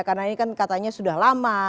karena ini kan katanya sudah lama